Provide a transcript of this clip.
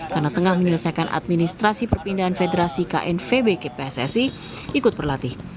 karena tengah menyelesaikan administrasi perpindahan federasi knvb kpssi ikut berlatih